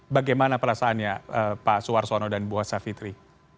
bagaimana perasaannya pak suwarsono dan bu asafitri